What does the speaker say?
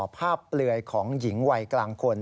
เปลือยของหญิงวัยกลางคน